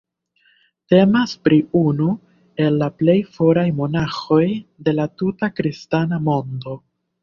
Temas pri unu el la plej foraj monaĥoj de la tuta kristana mondo.